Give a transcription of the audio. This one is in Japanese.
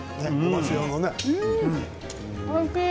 おいしい！